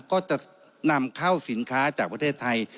ก็จะนำเข้าสินค้าจากประเทศไทย